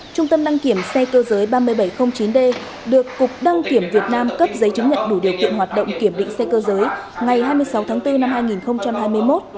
trung tâm đăng kiểm xe cơ giới ba nghìn bảy trăm linh chín d được cục đăng kiểm việt nam cấp giấy chứng nhận đủ điều kiện hoạt động kiểm định xe cơ giới ngày hai mươi sáu tháng bốn năm hai nghìn hai mươi một